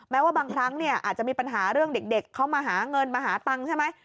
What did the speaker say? ว่าบางครั้งเนี่ยอาจจะมีปัญหาเรื่องเด็กเขามาหาเงินมาหาตังค์ใช่ไหม